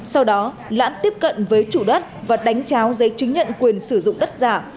sau đó lãm tiếp cận với chủ đất và đánh cháo giấy chứng nhận quyền sử dụng đất giả